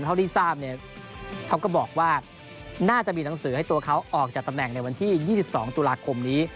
เท่าที่ทราบเนี่ยเขาก็บอกว่าน่าจะมีหนังสือให้ตัวเขาออกจากตำแหน่งในวันที่๒๒ตุลาคมนี้